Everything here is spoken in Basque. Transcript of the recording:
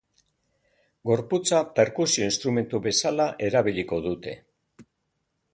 Gorputza perkusio instrumentu bezala erabiliko dute.